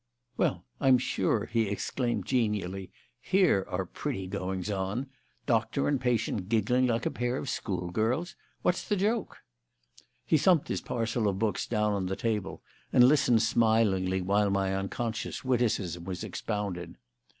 "Well, I'm sure!" he exclaimed genially; "here are pretty goings on. Doctor and patient giggling like a pair of schoolgirls! What's the joke?" He thumped his parcel of books down on the table and listened smilingly while my unconscious witticism was expounded.